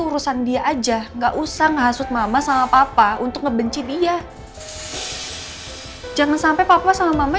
urusan dia aja nggak usah ngasut mama sama papa untuk ngebenci dia jangan sampai papua sama mama